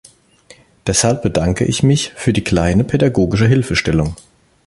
Deshalb bedanke ich mich für die kleine pädagogische Hilfestellung.